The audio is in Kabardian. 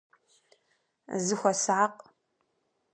Зыхуэсакъ!